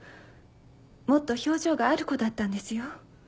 もっと表情がある子だったんですよ。